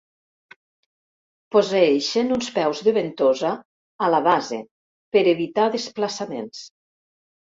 Posseeixen uns peus de ventosa a la base per evitar desplaçaments.